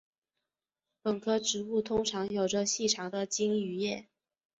本科植物通常有着细长的茎与叶。